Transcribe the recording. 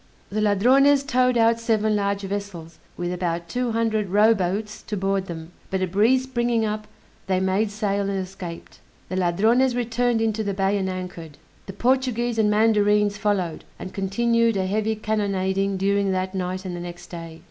The Ladrones towed out seven large vessels, with about two hundred rowboats to board them; but a breeze springing up, they made sail and escaped. The Ladrones returned into the bay, and anchored. The Portuguese and mandarines followed, and continued a heavy cannonading during that night and the next day.